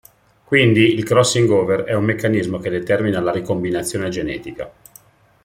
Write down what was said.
Quindi il "crossing-over" è un meccanismo che determina la ricombinazione genetica.